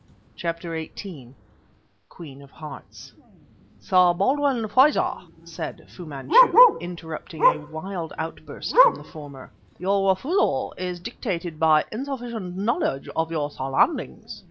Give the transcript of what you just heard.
CHAPTER XVIII QUEEN OF HEARTS "Sir Baldwin Frazer," said Fu Manchu, interrupting a wild outburst from the former, "your refusal is dictated by insufficient knowledge of your surroundings.